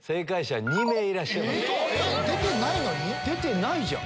出てないじゃん！